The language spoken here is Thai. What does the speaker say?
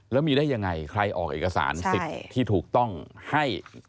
แล้วมีได้ยังไงใครออกเอกสารสิทธิ์ที่ถูกต้องให้